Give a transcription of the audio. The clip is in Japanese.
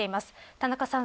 田中さん